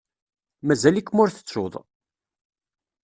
Mazal-ikem ur tettuḍ.